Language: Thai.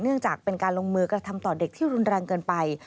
จากเป็นการลงมือกระทำต่อเด็กที่รุนแรงเกินไป